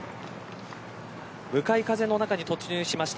向かい風の中に突入しました。